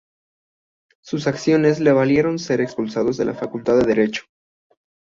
Sus acciones le valieron ser expulsado de la Facultad de Derecho.